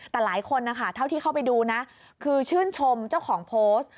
แต่หลายคนนะคะเท่าที่เข้าไปดูนะคือชื่นชมเจ้าของโพสต์